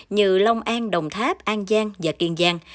như long an đồng tháp an giang và kiên giang